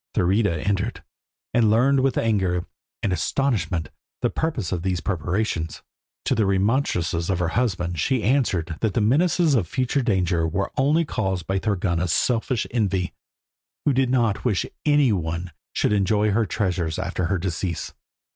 Thurida entered, and learned with anger and astonishment the purpose of these preparations. To the remonstrances of her husband she answered that the menaces of future danger were only caused by Thorgunna's selfish envy, who did not wish any one should enjoy her treasures after her decease.